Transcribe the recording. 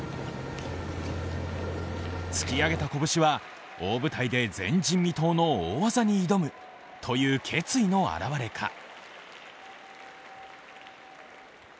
突き上げた拳は、大舞台で前人未到の大技に挑むという決意の表れか。